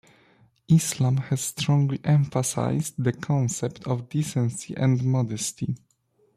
Islam has strongly emphasized the concept of decency and modesty.